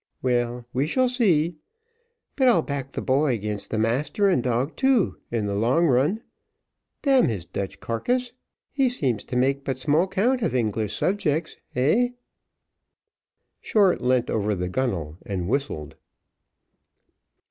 "Well, we shall see: but I'll back the boy 'gainst master and dog too, in the long run. D n his Dutch carcass, he seems to make but small count of English subjects, heh!" Short leant over the gunwale and whistled.